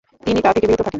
তিনি তা থেকে বিরত থাকেন।